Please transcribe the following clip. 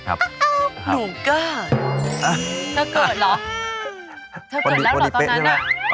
เธอเกิดแล้วเหรอตอนนั้นอ่ะ